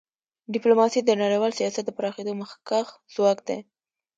ډیپلوماسي د نړیوال سیاست د پراخېدو مخکښ ځواک دی.